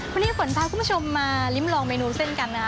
วันนี้ฝนพาคุณผู้ชมมาลิ้มลองเมนูเส้นกันนะคะ